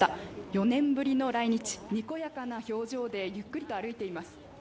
４年ぶりの来日、にこやかな表情で、ゆっくりと歩いています。